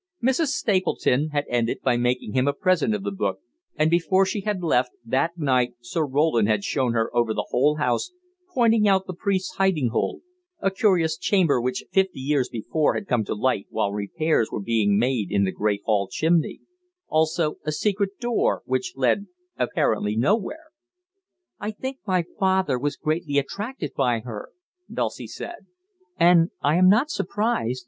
Mrs. Stapleton had ended by making him a present of the book, and before she had left, that night Sir Roland had shown her over the whole house, pointing out the priests' hiding hole a curious chamber which fifty years before had come to light while repairs were being made in the great hall chimney also a secret door which led apparently nowhere. "I think my father was greatly attracted by her," Dulcie said, "and I am not surprised.